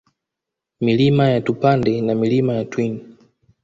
Milima ya Tupande na Milima ya Twin